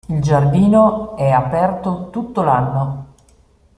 Il giardino è aperto tutto l'anno.